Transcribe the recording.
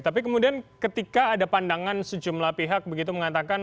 tapi kemudian ketika ada pandangan sejumlah pihak begitu mengatakan